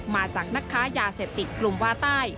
มาจากนักค้ายาเสพติดกลุ่มวาใต้